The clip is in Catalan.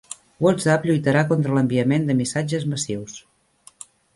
WhatsApp lluitarà contra l'enviament de missatges massius